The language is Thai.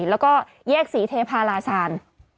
แล้วก็แยกสีเทพลหลาศาล